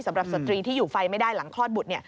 สตรีที่อยู่ไฟไม่ได้หลังคลอดบุตร